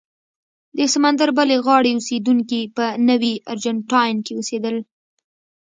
د سمندر بلې غاړې اوسېدونکي په نوي ارجنټاین کې اوسېدل.